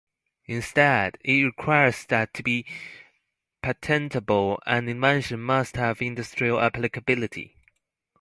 Instead, it requires that to be patentable an invention must have industrial applicability.